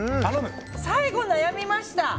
最後、悩みました。